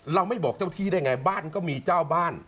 เราไม่บอกเจ้าที่ได้ไงบ้านก็มีเจ้าบ้าน